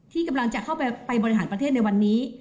ที่กำลังจะเข้าไปบริหารประเทศในวันนี้